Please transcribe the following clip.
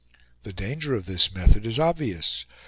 The danger of this method is obvious.